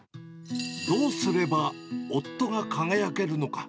どうすれば夫が輝けるのか。